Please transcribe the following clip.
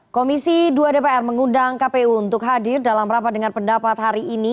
komisi dua dpr mengundang kpu untuk hadir dalam rapat dengan pendapat hari ini